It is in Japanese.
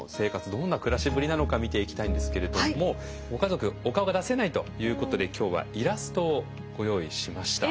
どんな暮らしぶりなのか見ていきたいんですけれどもご家族お顔が出せないということで今日はイラストをご用意しました。